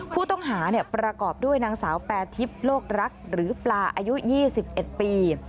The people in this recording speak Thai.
ผู้ต้องหาประกอบด้วยนางสาวแปรทิพย์โลกรักหรือปลาอายุ๒๑ปี